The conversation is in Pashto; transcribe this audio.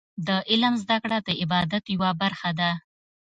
د علم زده کړه د عبادت یوه برخه ده.